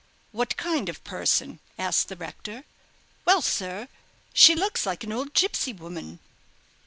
"What kind of person?" asked the rector. "Well, sir, she looks like an old gipsy woman."